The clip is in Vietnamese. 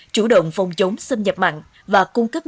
chủ động phòng chống xâm nhập mạnh và cung cấp nước